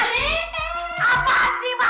apaan sih mama